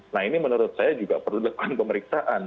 nah ini menurut saya juga perlu dilakukan pemeriksaan